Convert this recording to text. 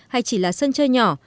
hay chỉ là sân chơi nhỏ